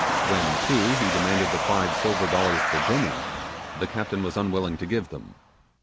When, too, he demanded the five silver dollars for Jimmy, the captain was unwilling to give them.